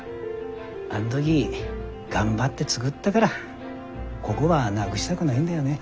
あん時頑張って作ったがらこごはなぐしたぐないんだよね。